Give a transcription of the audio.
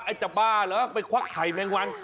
จะบ้าเหรอไปควักไข่แมงวัน